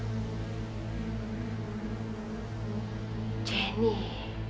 kulik di mantan data